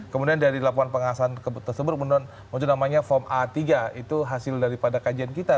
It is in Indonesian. kemudian dari laporan pengasahan tersebut menuju namanya form a tiga itu hasil daripada kajian kita